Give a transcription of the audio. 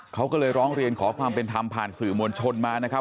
เขาก็เลยร้องเรียนขอความเป็นธรรมผ่านสื่อมวลชนมานะครับ